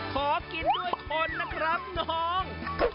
ขอกินด้วยคนนะครับน้อง